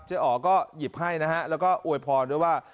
อ๋อก็หยิบให้นะฮะแล้วก็อวยพรด้วยว่า